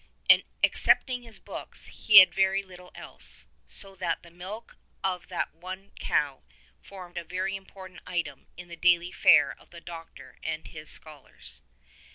And, excepting his books, he had very little else, so that the milk of that one cow formed a very important item in the daily fare of the Doctor and his scholars.